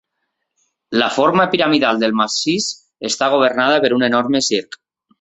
La forma piramidal del massís està governada per un enorme circ.